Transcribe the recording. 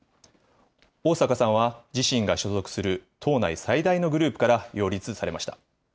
逢坂さんは、自身が所属する党内最大のグループから擁立されました。